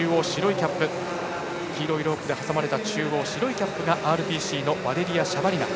黄色いロープで挟まれた中央白いキャップがＲＰＣのワレリヤ・シャバリナ。